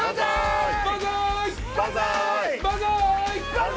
万歳！